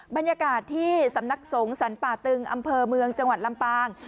บรรยากาศที่สำนักสงฆ์สรรป่าตึงอำเภอเมืองจังหวัดลำปาง